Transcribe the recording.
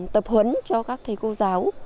tập huấn cho các thầy cô giáo